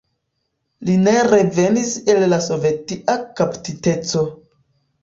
Li ne revenis el la sovetia kaptiteco.